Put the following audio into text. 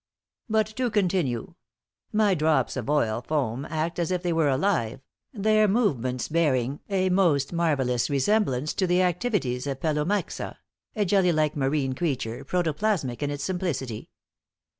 But to continue: My drops of oil foam act as if they were alive, their movements bearing a most marvelous resemblance to the activities of Pelomyxa, a jelly like marine creature, protoplasmic in its simplicity."